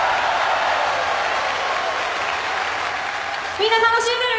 みんな楽しんでる？